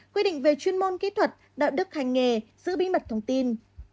quy định về chuyên môn kỹ thuật đạo đức hành nghề giữ bí mật thông tin